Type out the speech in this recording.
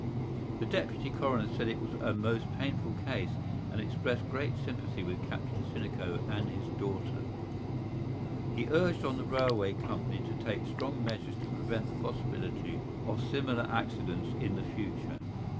The Deputy Coroner said it was a most painful case, and expressed great sympathy with Captain Sinico and his daughter. He urged on the railway company to take strong measures to prevent the possibility of similar accidents in the future.